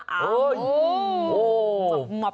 โอ้โฮหมับหมับหมับ